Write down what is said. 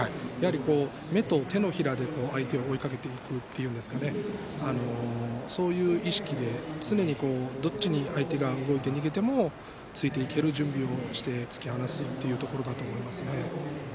目と手のひらで相手を追いかけていくそういう意識で常にどちらに相手が動いて逃げても突いていける準備をして突き放すというところだと思います。